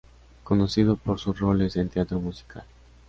Conocido por sus roles en teatro musical.